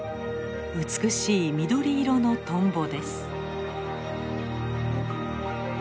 美しい緑色のトンボです。